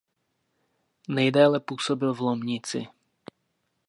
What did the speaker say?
Nejdéle působil v Lomnici.